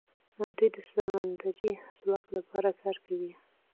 دوی د سمندري ځواک لپاره کار کوي.